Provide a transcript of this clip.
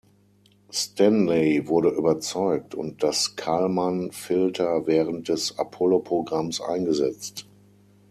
Stanley wurde überzeugt und das Kalman-Filter während des Apollo-Programms eingesetzt.